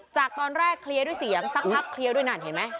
จากตอนแรกเคลียร์ด้วยเสียงสักพักเคลียร์ด้วยนั่นเห็นไหม